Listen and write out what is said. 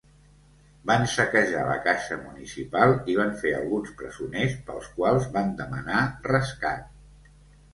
Van saquejar la caixa municipal i van fer alguns presoners pels quals van demanar rescat.